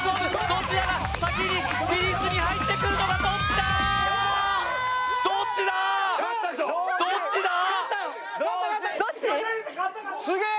どちらが先にフィニッシュに入ってくるのかどっちだーどっちだ！？